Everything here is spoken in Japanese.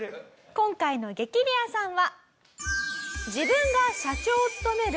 今回の激レアさんは。